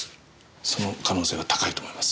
その可能性は高いと思います。